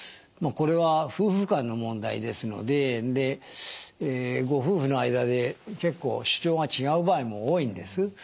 これは夫婦間の問題ですのででご夫婦の間で結構主張が違う場合も多いんです。